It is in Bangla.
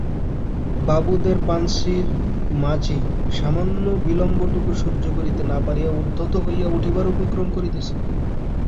বাবুদের পান্সির মাঝি সামান্য বিলম্বটুকু সহ্য করিতে না পারিয়া উদ্ধত হইয়া উঠিবার উপক্রম করিতেছি।